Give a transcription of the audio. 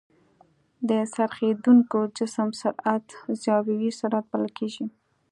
د څرخېدونکي جسم سرعت زاويي سرعت بلل کېږي.